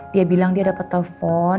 dia bilang dia dapat telepon